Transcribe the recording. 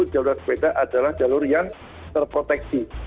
jalur sepeda adalah jalur yang terproteksi